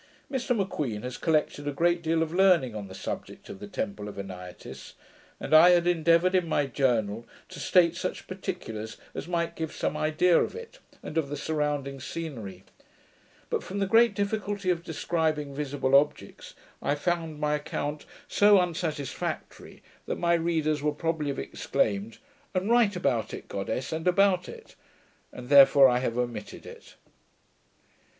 Mr M'Queen has collected a great deal of learning on the subject of the temple of Anaitis; and I had endeavoured, in my journal, to state such particulars as might give some idea of it, and of the surrounding scenery; but from the great difficulty of describing visible objects, I found my account so unsatisfactory, that my readers would probably have exclaimed And write about it, Goddess, and about it; and therefore I have omitted it.